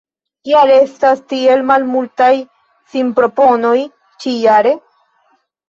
Kial estas tiel malmultaj sinproponoj ĉi-jare?